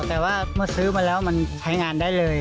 แต่ว่าเมื่อซื้อมาแล้วมันใช้งานได้เลย